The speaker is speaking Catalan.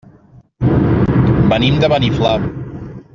Venim de Beniflà.